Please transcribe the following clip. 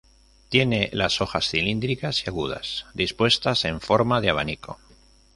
Tiene las hojas cilíndricas y agudas, dispuestas en forma de abanico.